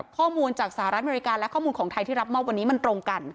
ข้อมูลจากสหรัฐอเมริกาและข้อมูลของไทยที่รับมอบวันนี้มันตรงกัน